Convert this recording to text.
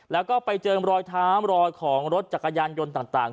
แล้วก็ไปเจอรอยเท้ารอยของรถจักรยานยนต์ต่าง